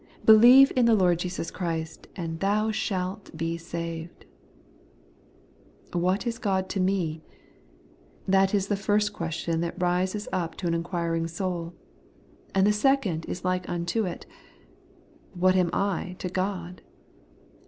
' Be lieve in the Lord Jesus Christ, and thou shalt be saved/ What is God to me ? That is the first question that rises up to an inquiring souL And the second is like unto it, — What am I to God?